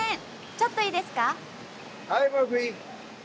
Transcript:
ちょっといいですか？